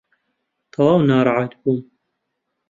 تەواو ناڕەحەت بووم.